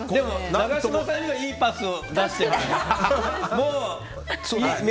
永島さんにはいいパスを出してますね。